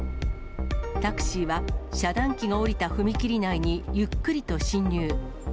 タクシーは遮断機が下りた踏切内にゆっくりと進入。